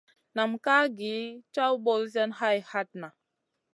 Nam ká gi caw ɓosiyona hay hatna.